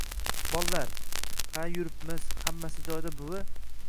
Bollar: ha yuripmiz. Hammasi joyida buvi...